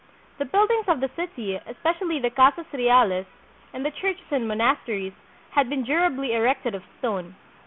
The buildings of the city, especially the Casas Reales and the churches and monasteries, had been durably erected of stone.